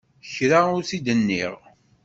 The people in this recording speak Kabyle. Kra ur t-id-nniɣ.